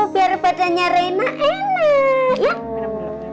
biar badannya rena enak